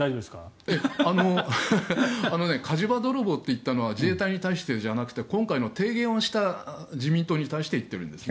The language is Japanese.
火事場泥棒と言ったのは自衛隊に対してじゃなくて今回の提言をした自民党に対して言っているんです。